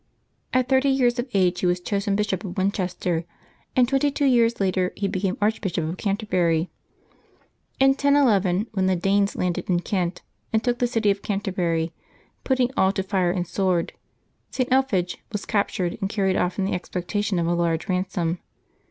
At thirty years of age he was chosen Bishop of Winchester, and twenty two years later he became Arch bishop of Canterbury. In 1011, when the Danes landed in Kent and took the city of Canterbury, putting all to fire and Bword, St. Elphege was captured and carried off in the expectation of a large ransom.